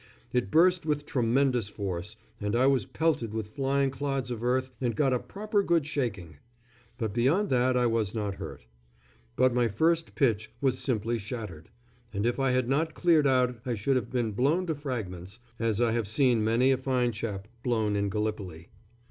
It burst with tremendous force, and I was pelted with flying clods of earth and got a proper good shaking; but beyond that I was not hurt. But my first pitch was simply shattered, and if I had not cleared out I should have been blown to fragments, as I have seen many a fine chap blown in Gallipoli.